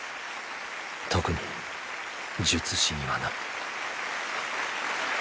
特に術師にはな。